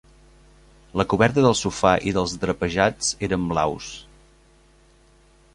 La coberta del sofà i els drapejats eren blaus.